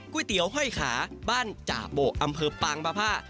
เตี๋ยวห้อยขาบ้านจ่าโบอำเภอปางบภา